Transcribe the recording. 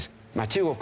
中国